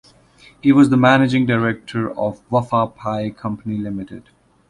He was the managing director of Wafa Paye Company Limited.